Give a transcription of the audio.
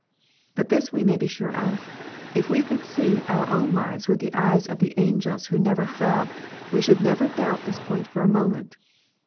But this we may be sure of, if we could see our own lives with the eyes of the angels who never fell, we should never doubt this point for a moment.